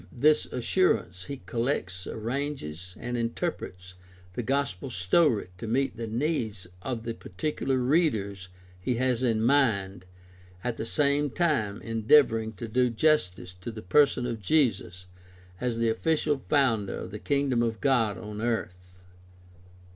this assurance he col lects, arranges, and interprets the gospel story to meet the needs of the particular readers he has in mind, at the same time endeavoring to do justice to the person of Jesus as the official founder of the Kingdom of God on earth.